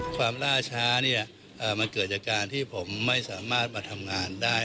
ล่าช้าเนี่ยมันเกิดจากการที่ผมไม่สามารถมาทำงานได้